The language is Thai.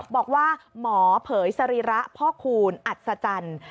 บอกว่าหมอเผยสรีระพ่อคูณอัศจรรย์